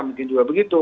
mungkin juga begitu